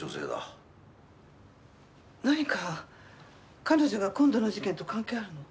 何か彼女が今度の事件と関係あるの？